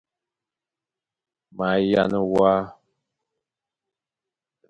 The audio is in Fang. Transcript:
Ma yane wa.